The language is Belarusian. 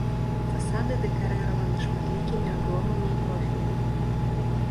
Фасады дэкарыраваны шматлікімі абломамі і профілямі.